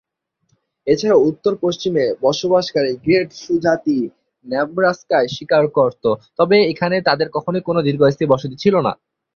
এছাড়াও উত্তর-পশ্চিমে বসবাসকারী গ্রেট সু জাতি নেব্রাস্কায় শিকার করত, তবে এখানে তাদের কখনোই কোনো দীর্ঘস্থায়ী বসতি ছিল না।